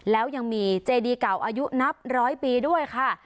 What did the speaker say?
แล้วยังมีเจดีเก่าอายุนับร้อยปีด้วยค่ะ